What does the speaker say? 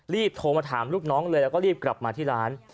โทรมาถามลูกน้องเลยแล้วก็รีบกลับมาที่ร้าน